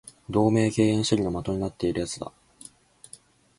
同盟敬遠主義の的になっている奴だ